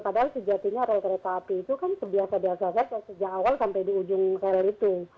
padahal sejatinya rel kereta api itu kan sebiasa biasa saja sejak awal sampai di ujung rel itu